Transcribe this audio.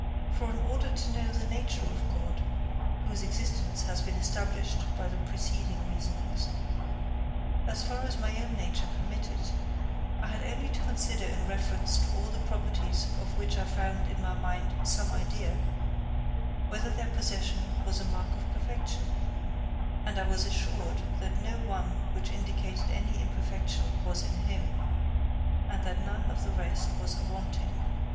For in order to know the nature of God (whose existence has been established by the preceding reasonings), as far as my own nature permitted, I had only to consider in reference to all the properties of which I found in my mind some idea, whether their possession was a mark of perfection; and I was assured that no one which indicated any imperfection was in him, and that none of the rest was awanting.